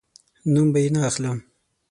نوم به یې نه اخلم